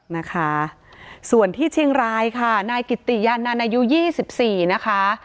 นะคะส่วนที่เชียงรายค่ะนายกิติยานันอายุยี่สิบสี่นะคะ